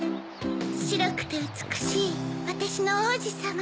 しろくてうつくしいわたしのおうじさま。